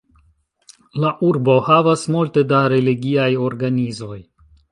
La urbo havas multe da religiaj organizoj.